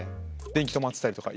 電気止まってたりとか。